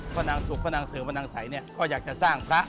พระนางศุกร์พระนางเสริมพระนางสัยก็อยากจะสร้างพระ